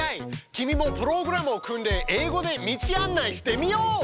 君もプログラムを組んで英語で道案内してみよう！